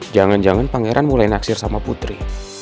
jangan jangan pangeran mulai naksir sama putri